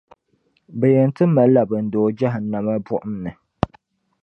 Bɛ yɛn ti malila bindoo Jahannama buɣum ni.